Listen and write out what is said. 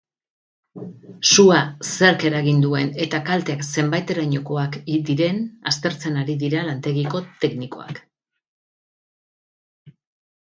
Sua zerk eragin duen eta kalteak zenbaterainokoak diren aztertzen ari dira lantegiko teknikoak.